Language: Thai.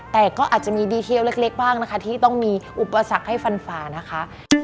แต่ก็อาจจะมีดีเทลเล็กบ้างนะคะที่ต้องมีอุปสรรคให้ฟันฝ่านะคะ